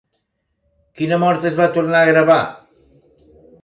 Quina mort es va tornar a gravar?